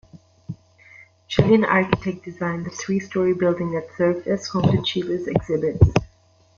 Chilean architect designed the three-story building that served as home to Chile's exhibits.